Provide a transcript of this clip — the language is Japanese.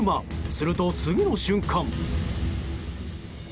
すると、次の瞬間。